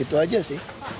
itu aja sih